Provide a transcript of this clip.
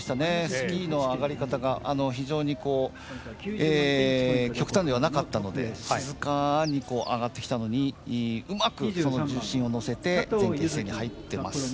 スキーの上がり方が非常に極端ではなかったので静かに上がってきたのにうまく重心を乗せて前傾姿勢に入っています。